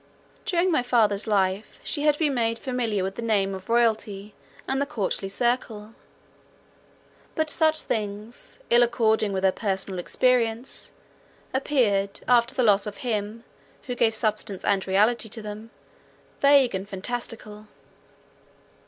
During my father's life, she had been made familiar with the name of royalty and the courtly circle; but such things, ill according with her personal experience, appeared, after the loss of him who gave substance and reality to them, vague and fantastical.